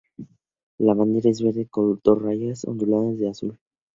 La bandera es verde, con dos rayas onduladas de azul.